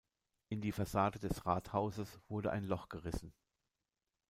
In die Fassade des Rathauses wurde ein Loch gerissen.